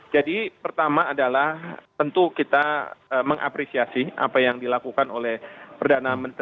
jadi pertama adalah tentu kita mengapresiasi apa yang dilakukan oleh perdana menteri